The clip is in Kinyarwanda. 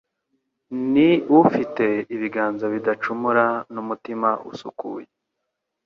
Ni ufite ibiganza bidacumura n’umutima usukuye